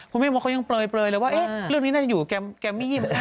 คุณเมฆมดเขายังเปลยเลยว่าเรื่องนี้น่าจะอยู่กับแกมมี่